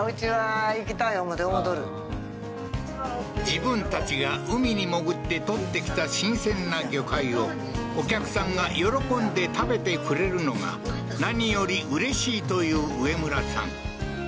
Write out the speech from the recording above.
自分たちが海に潜って取ってきた新鮮な魚介をお客さんが喜んで食べてくれるのが何よりうれしいという上村さん